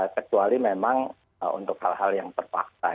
kecuali memang untuk hal hal yang terpaksa